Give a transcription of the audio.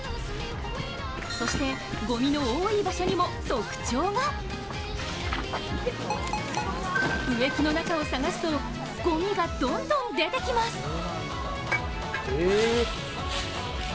そして、ごみの多い場所にも特徴が植木の中を探すとごみがどんどん出てきます。